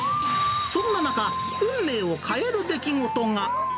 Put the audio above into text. そんな中、運命を変える出来事が。